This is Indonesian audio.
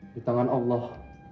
di tangan allah